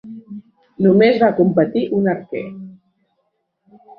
Només va competir un arquer.